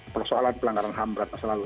persoalan pelanggaran ham berat masa lalu